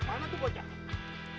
padahal mana tuh bocah